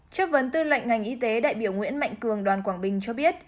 trước vấn tư lệnh ngành y tế đại biểu nguyễn mạnh cường đoàn quảng bình cho biết